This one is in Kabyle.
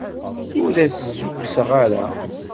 Ur as-d-ssukkseɣ ara.